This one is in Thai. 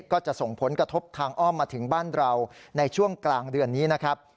ก็จะส่งผลกระทบทางอ้อมมาถึงบ้านเราในช่วงกลางเดือนนี้นะครับ